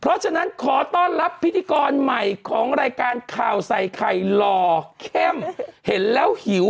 เพราะฉะนั้นขอต้อนรับพิธีกรใหม่ของรายการข่าวใส่ไข่หล่อเข้มเห็นแล้วหิว